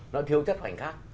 nó thiếu chất khoảnh khắc